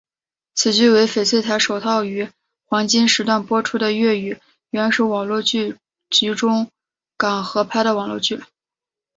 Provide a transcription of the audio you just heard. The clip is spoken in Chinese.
此剧为翡翠台首套于黄金时段播出的粤语原声网络剧及中港合拍网络剧。